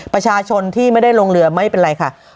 ประชาชนที่ไม่ได้ลงเรือไม่เป็นไรค่ะ